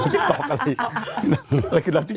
ติ๊กต๊อกอะไรอะไรคือดาวติ๊กต๊อก